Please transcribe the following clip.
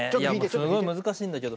すごい難しいんだけど。